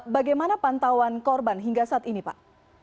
bagaimana pantauan korban hingga saat ini pak